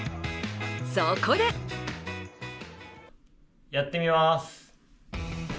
そこでやってみます！